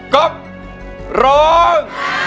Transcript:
ก็ร้อง